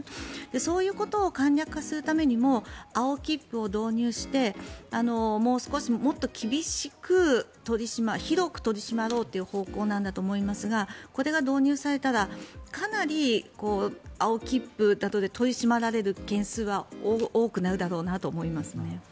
そういうことを簡略化するためにも青切符を導入してもっと厳しく、広く取り締まる方向なんだと思いますがこれが導入されたらかなり青切符だと取り締まられる件数は多くなるだろうなと思いますね。